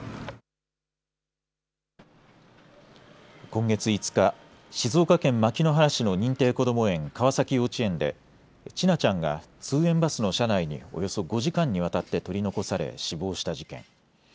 今月５日、静岡県牧之原市の認定こども園川崎幼稚園で千奈ちゃんが通園バスの車内におよそ５時間にわたって取り残され死亡した事件。